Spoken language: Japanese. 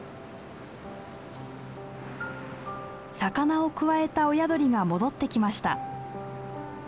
魚をくわえた親鳥が戻ってきました。